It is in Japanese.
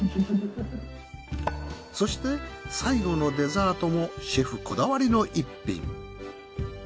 そして最後のデザートもシェフこだわりの逸品。